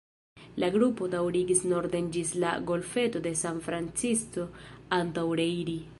La grupo daŭrigis norden ĝis la golfeto de San Francisco antaŭ reiri.